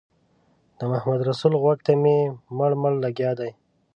محمدرسول غوږ ته مې مړ مړ لګیا دی.